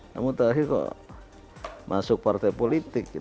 kamu terakhir kok masuk partai politik